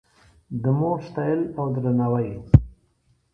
د مور ستایل او درناوی